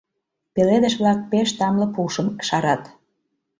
Пеледыш-влак пеш тамле пушым шарат.